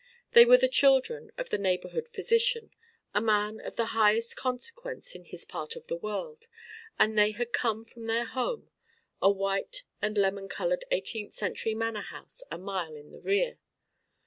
They were the children of the neighborhood physician, a man of the highest consequence in his part of the world; and they had come from their home, a white and lemon colored eighteenth century manor house a mile in their rear.